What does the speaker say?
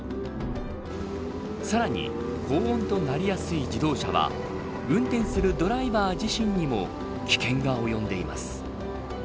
さらに高温となりやすい自動車は運転するドライバー自身にも危険が及んでいます。